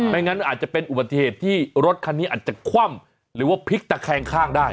ไม่งั้นอาจจะเป็นอุบัติเหตุที่รถคันนี้อาจจะคว่ำหรือว่าพลิกตะแคงข้างได้